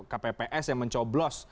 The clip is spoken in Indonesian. kpps yang mencoblos